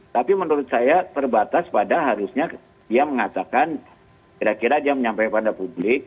tapi menurut saya terbatas pada harusnya dia mengatakan kira kira dia menyampaikan pada publik